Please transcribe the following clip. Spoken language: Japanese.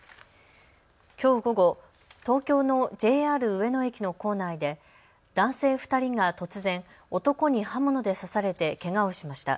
きょう午後、東京のＪＲ上野駅の構内で男性２人が突然、男に刃物で刺されてけがをしました。